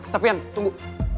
tapi ian tunggu